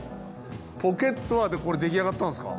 ポケットはこれ出来上がったんですか？